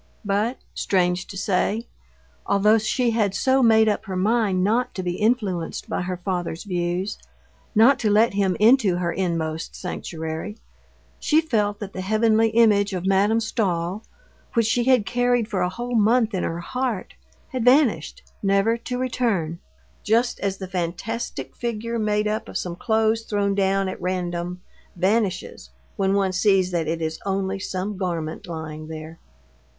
But, strange to say, although she had so made up her mind not to be influenced by her father's views, not to let him into her inmost sanctuary, she felt that the heavenly image of Madame Stahl, which she had carried for a whole month in her heart, had vanished, never to return, just as the fantastic figure made up of some clothes thrown down at random vanishes when one sees that it is only some garment lying there.